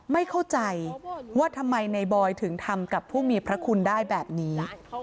ไม่เข้าใจว่าทำไมในบอยถึงทำกับผู้มีพระคุณได้แบบนี้